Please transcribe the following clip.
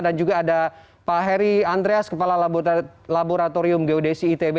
juga ada pak heri andreas kepala laboratorium geodesi itb